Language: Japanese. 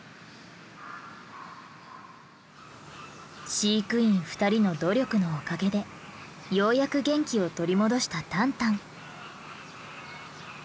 飼育員２人の努力のおかげでようやく元気を取り戻したタンタン。